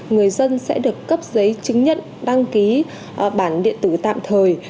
người dân sẽ được cấp giấy chứng nhận đăng ký bản điện tử tạm thời